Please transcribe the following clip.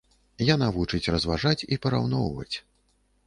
Яна вучыць разважаць і параўноўваць.